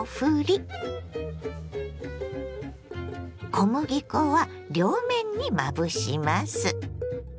小麦粉は両面にまぶします。